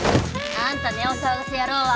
あんたねお騒がせ野郎は。